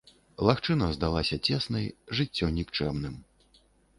Лагчына здалася цеснай, жыццё нікчэмным.